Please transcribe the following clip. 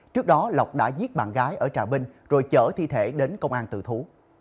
trước đó lộc đã giết bạn gái ở trà vinh rồi chở thi thể đến công an tự thú